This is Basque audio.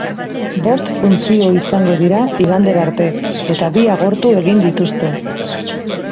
Bost funtzio izango dira igandera arte eta bi agortu egin dituzte.